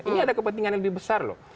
ini ada kepentingannya lebih besar